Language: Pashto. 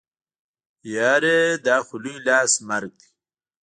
يره دا خو لوی لاس مرګ دی.